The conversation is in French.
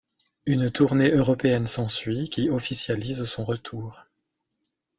Une tournée européenne s'ensuit, qui officialise son retour.